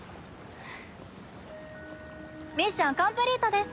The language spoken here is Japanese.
ミッションコンプリートです！